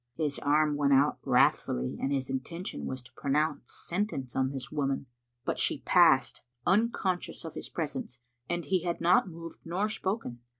His arm went out wrathfully, and his intention was to pronounce sentence on this woman. But she passed, unconscious of his presence, and he had not moved nor spoken.